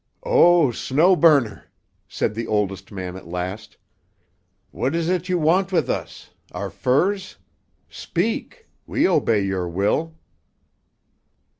"Oh, Snow Burner!" said the oldest man at last. "What is it you want with us? Our furs? Speak. We obey your will."